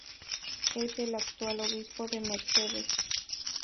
Es el actual obispo de Mercedes.